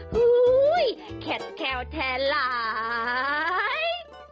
ฮู้ยแคดแควแทนหลาย